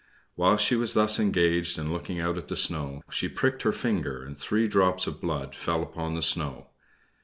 While she was thus engaged and looking out at the snow she pricked her finger, and three drops of blood fell upon the snow.